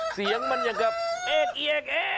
เสียงมันอย่างแบบเอ๊ก